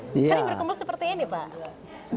sering berkumpul seperti ini pak